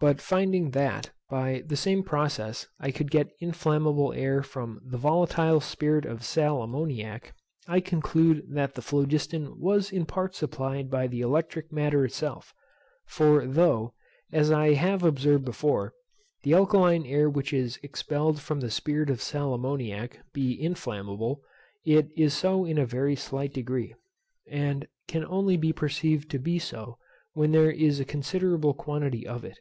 But finding that, by the same process I could get inflammable air from the volatile spirit of sal ammoniac, I conclude that the phlogiston was in part supplied by the electric matter itself. For though, as I have observed before, the alkaline air which is expelled from the spirit of sal ammoniac be inflammable, it is so in a very slight degree, and can only be perceived to be so when there is a considerable quantity of it.